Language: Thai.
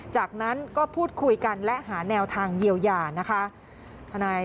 จากนั้นก็พูดคุยกันและหาแนวทางเยียวยานะคะ